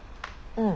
うん。